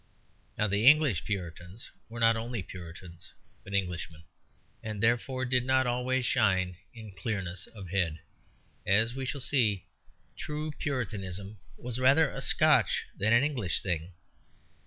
Now, the English Puritans were not only Puritans but Englishmen, and therefore did not always shine in clearness of head; as we shall see, true Puritanism was rather a Scotch than an English thing.